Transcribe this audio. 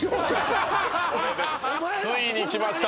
ついにきました